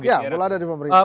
iya bola dari pemerintah